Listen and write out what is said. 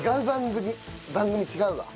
番組違うわ。